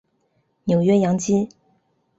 纽约洋基